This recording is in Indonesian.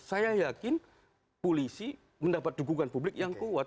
saya yakin polisi mendapat dukungan publik yang kuat